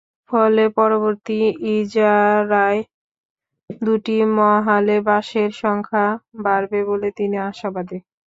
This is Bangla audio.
ফলে পরবর্তী ইজারায় দুটি মহালে বাঁশের সংখ্যা বাড়বে বলে তিনি আশাবাদী।